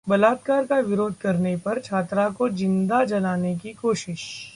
बलात्कार का विरोध करने पर छात्रा को ज़िंदा जलाने की कोशिश